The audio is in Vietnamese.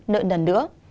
nợ nần nữa